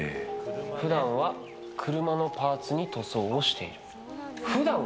普段は車のパーツに塗装をしている。